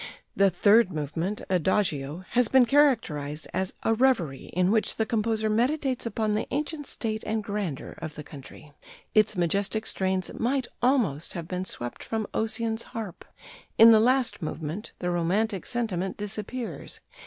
The third movement (Adagio) has been characterized as "a revery in which the composer meditates upon the ancient state and grandeur of the country. Its majestic strains might almost have been swept from Ossian's harp." In the last movement "the romantic sentiment disappears.